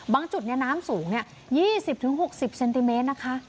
จุดน้ำสูง๒๐๖๐เซนติเมตรนะคะ